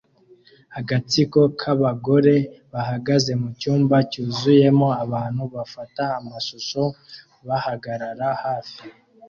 Agatsiko k'abagore bahagaze mucyumba cyuzuyemo abantu bafata amashusho bahagarara hafi